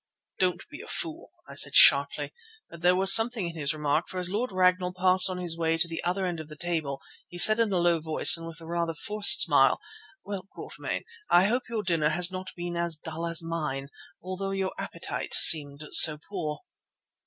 "Don't be a fool," I said sharply. But there was something in his remark, for as Lord Ragnall passed on his way to the other end of the table, he said in a low voice and with rather a forced smile: "Well, Quatermain, I hope your dinner has not been as dull as mine, although your appetite seemed so poor."